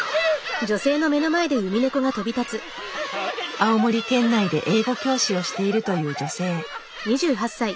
青森県内で英語教師をしているという女性。